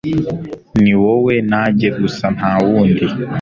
ni wowe na njye gusa ntawundi